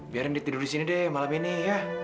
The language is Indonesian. biarin ditidur disini deh malam ini ya